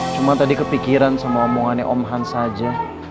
cuma tadi kepikiran sama omongannya om hans aja